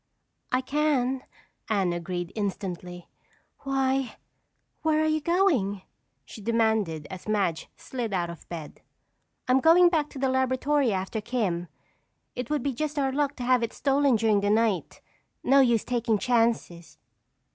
"I can," Anne agreed instantly. "Why, where are you going?" she demanded as Madge slid out of bed. "I'm going back to the laboratory after 'Kim.' It would be just our luck to have it stolen during the night. No use taking chances."